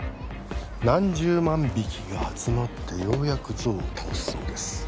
何十万匹が集まってようやくゾウを倒すそうです